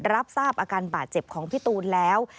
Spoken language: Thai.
รับทราบอาการบาดเจ็บของพี่ตูนแล้ว